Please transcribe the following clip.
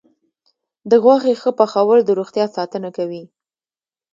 د غوښې ښه پخول د روغتیا ساتنه کوي.